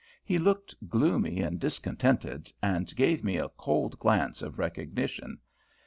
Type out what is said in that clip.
He looked gloomy and discontented, and gave me a cold glance of recognition.